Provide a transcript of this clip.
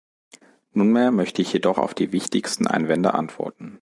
Nunmehr möchte ich jedoch auf die wichtigsten Einwände antworten.